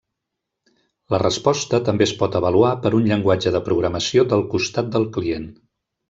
La resposta també es pot avaluar per un llenguatge de programació del costat del client.